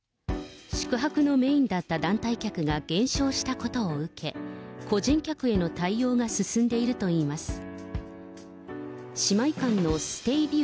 宿泊のメインだった団体客が減少したことを受け、個人客への対応が進んでいるといいます。